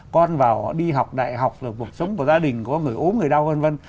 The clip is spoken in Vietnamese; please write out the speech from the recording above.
con vào đi học đại học là cuộc sống của gia đình của người ốm người đau vân vân